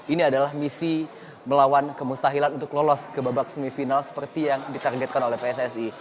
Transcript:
ini adalah misi melawan kemustahilan untuk lolos ke babak semifinal seperti yang ditargetkan oleh pssi